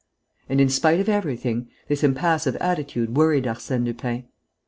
And, in spite of everything, this impassive attitude worried Arsène Lupin.